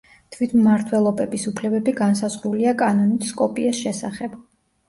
თვითმმართველობების უფლებები განსაზღვრულია კანონით სკოპიეს შესახებ.